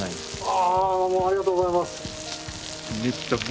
ああもうありがとうございます。